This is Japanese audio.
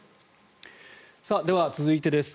では、続いてです。